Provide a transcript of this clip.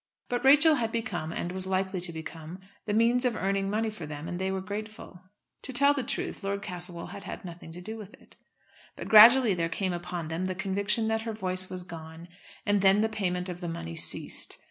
But Rachel had become, and was likely to become, the means of earning money for them, and they were grateful. To tell the truth, Lord Castlewell had had nothing to do with it. But gradually there came upon them the conviction that her voice was gone, and then the payment of the money ceased.